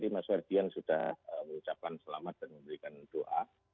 mas ferdian sudah mengucapkan selamat dan memberikan doa